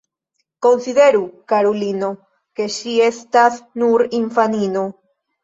Konsideru, karulino, ke ŝi estas nur infanino.